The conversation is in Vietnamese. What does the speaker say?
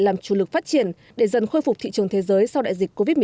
làm chủ lực phát triển để dần khôi phục thị trường thế giới sau đại dịch covid một mươi